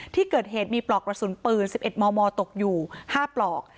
ที่เกิดเหตุมีปลอกกระสุนปืน๑๑มมตกอยู่๕ปลอก